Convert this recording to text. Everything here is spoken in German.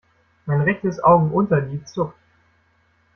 Mein rechtes Augenunterlid zuckt.